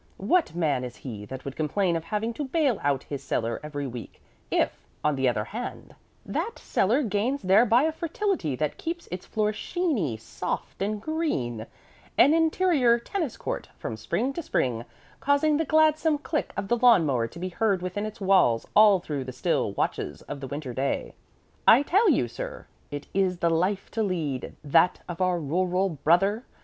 What man is he that would complain of having to bale out his cellar every week, if, on the other hand, that cellar gains thereby a fertility that keeps its floor sheeny, soft, and green an interior tennis court from spring to spring, causing the gladsome click of the lawn mower to be heard within its walls all through the still watches of the winter day? I tell you, sir, it is the life to lead, that of our rural brother.